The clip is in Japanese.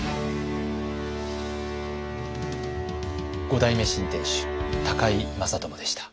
五代目新店主高井正智でした。